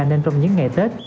nên trong những ngày tết